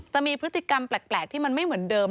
แต่มีพฤติกรรมแปลกที่มันไม่เหมือนเดิม